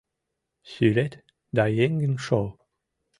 — Сӱрет, да еҥын шол.